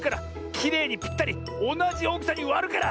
きれいにぴったりおなじおおきさにわるから！